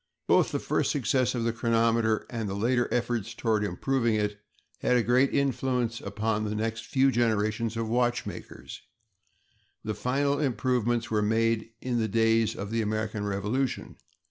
Both the first success of the chronometer and the later efforts toward improving it had a great influence upon the next few generations of watchmakers; the final improvements were made in the days of the American Revolution.